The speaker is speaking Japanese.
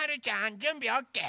じゅんびオッケー？